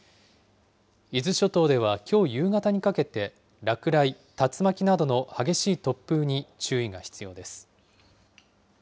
伊豆諸島ではきょう夕方にかけて、落雷、竜巻などの激しい突風に注意が必要です。